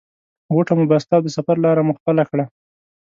غوټه مو بسته او د سفر لاره مو خپله کړه.